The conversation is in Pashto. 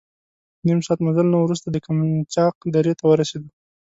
نیم ساعت مزل نه وروسته د قمچاق درې ته ورسېدو.